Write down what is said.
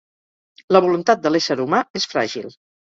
La voluntat de l'ésser humà és fràgil.